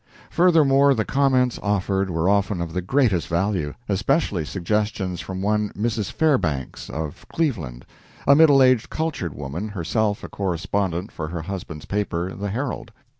Furthermore, the comments offered were often of the greatest value, especially suggestions from one Mrs. Fairbanks, of Cleveland, a middle aged, cultured woman, herself a correspondent for her husband's paper, the "Herald".